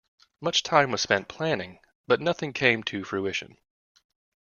Much time was spent planning, but nothing came to fruition.